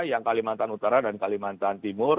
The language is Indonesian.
yang kalimantan utara dan kalimantan timur